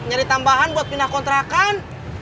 nyari tambahan buat pindah kontrakan